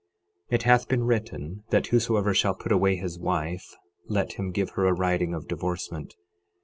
12:31 It hath been written, that whosoever shall put away his wife, let him give her a writing of divorcement.